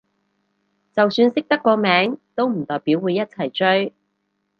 就算識得個名都唔代表會一齊追